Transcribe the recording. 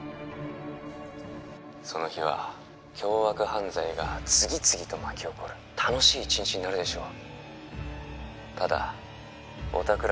その日は凶悪犯罪が次々と巻き起こる楽しい一日になるでしょうただおたく